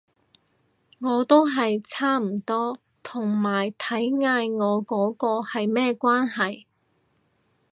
我都係差唔多，同埋睇嗌我嗰個係咩關係